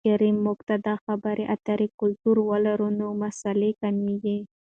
که چیرته موږ د خبرو اترو کلتور ولرو، نو مسایل کمېږي.